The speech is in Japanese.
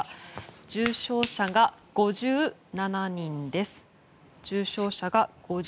重症者が５７人です。